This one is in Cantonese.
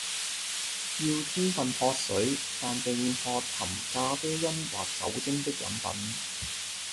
要充分喝水，但避免喝含咖啡因或酒精的飲品